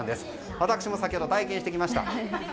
私も先ほど、体験してきました。